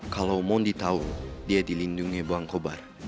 kalau mondi tahu dia dilindungi bangkobar